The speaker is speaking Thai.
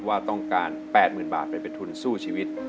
ว่าต้องการแปดหมื่นบาทไปเป็นทุนสู้ชีวิต